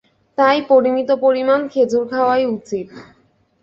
তাই পরিমিত পরিমাণ খেজুর খাওয়াই উচিত।